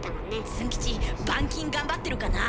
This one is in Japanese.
ズン吉板金頑張ってるかなあ。